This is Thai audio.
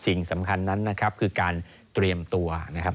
สิ่งสำคัญนั้นนะครับคือการเตรียมตัวนะครับ